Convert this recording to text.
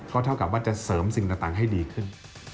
เท่ากับว่าจะเสริมสิ่งต่างให้ดีขึ้น